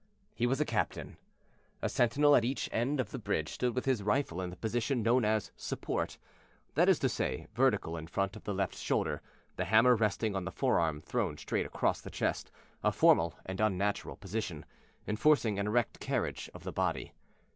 He was a captain. A sentinel at each end of the bridge stood with his rifle in the position known as "support," that is to say, vertical in front of the left shoulder, the hammer resting on the forearm thrown straight across the chest a formal and unnatural position, enforcing an erect carriage of the body.